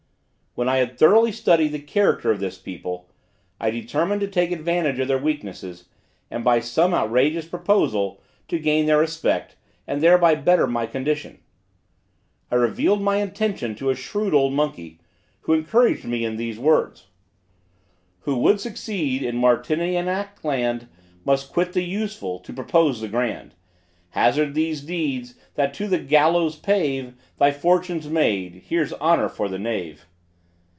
When I had thoroughly studied the character of this people, I determined to take advantage of their weaknesses, and by some outrageous proposal, to gain their respect, and thereby better my condition. I revealed my intention to a shrewd old monkey, who encouraged me in these words: Who would succeed in Martinianic land, Must quit the useful, to propose the grand; Hazard those deeds, that to the gallows pave, Thy fortune's made! Here's honor for the knave.